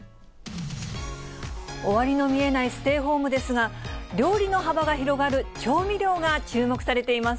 終わりの見えないステイホームですが、料理の幅が広がる調味料が注目されています。